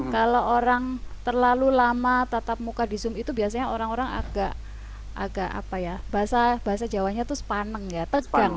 kalau orang terlalu lama tatap muka di zoom itu biasanya orang orang agak apa ya bahasa jawanya itu sepaneng ya tegang